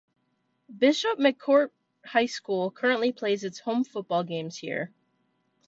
Bishop McCort High School currently plays its home football games here.